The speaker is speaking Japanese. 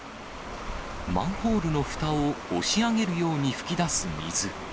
マンホールのふたを押し上げるように噴き出す水。